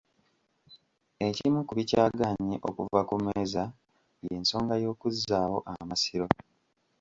Ekimu ku bikyagaanye okuva ku mmeeza y'ensonga y'okuzzaawo Amasiro.